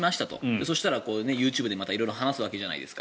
そしたらＹｏｕＴｕｂｅでまた色々話すわけじゃないですか。